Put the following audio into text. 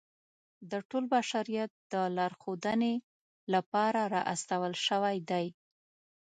د ټول بشریت د لارښودنې لپاره را استول شوی دی.